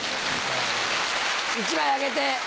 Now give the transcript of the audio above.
１枚あげて。